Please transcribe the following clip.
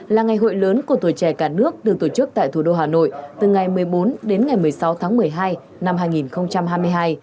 là ngày hội lớn của tuổi trẻ cả nước được tổ chức tại thủ đô hà nội từ ngày một mươi bốn đến ngày một mươi sáu tháng một mươi hai năm hai nghìn hai mươi hai